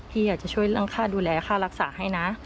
พี่อยากจะช่วยเรื่องค่าดูแลค่ารักษาให้นะ